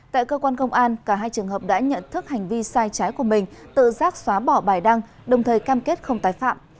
tại cơ quan công an cả hai trường hợp đã nhận thức hành vi sai trái của mình tự giác xóa bỏ bài đăng đồng thời cam kết không tái phạm